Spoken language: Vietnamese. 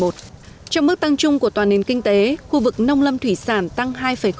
trong mức tăng trung của toàn nền kinh tế khu vực nông lâm thủy sản tăng hai tám